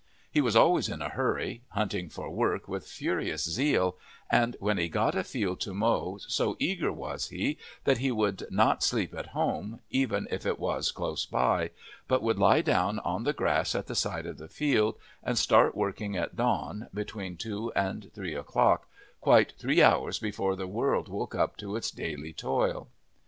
He was always in a hurry, hunting for work with furious zeal, and when he got a field to mow so eager was he that he would not sleep at home, even if it was close by, but would lie down on the grass at the side of the field and start working at dawn, between two and three o'clock, quite three hours before the world woke up to its daily toil.